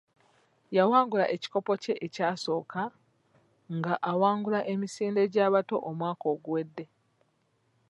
Yawangula ekikopo kye kyasooka nga awangula emisinde gy'abato omwaka oguwedde.